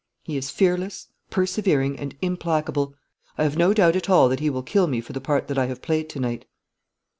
He is fearless, persevering, and implacable. I have no doubt at all that he will kill me for the part that I have played to night.'